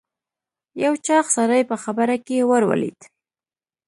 یو چاغ سړی په خبره کې ور ولوېد.